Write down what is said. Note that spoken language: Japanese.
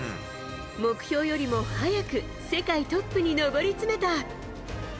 目標よりも早く世界トップに上り詰めた。